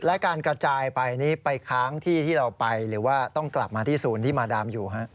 และการกระจายไปนี้ไปค้างที่ที่เราไปหรือว่าต้องกลับมาที่ศูนย์ที่มาดามอยู่